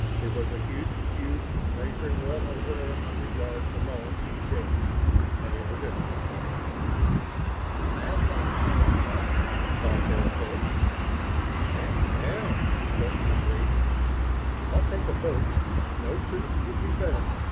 It was a huge cube, measuring well over a hundred yards along each edge. And it was empty. "That's one for the book," Sawtelle said. "And how!" Hilton agreed. "I'll take a boat ... no, suits would be better.